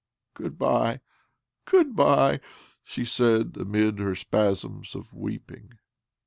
' Good bye, good bye !" she said amid her spasms of weeping.